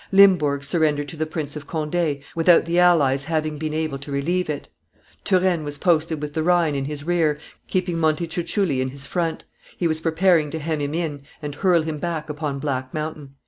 Limburg surrendered to the Prince of Conde, without the allies having been able to relieve it; Turenne was posted with the Rhine in his rear, keeping Montecuculli in his front; he was preparing to hem him in, and hurl him back upon Black Mountain.